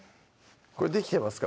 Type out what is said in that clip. これできてますか？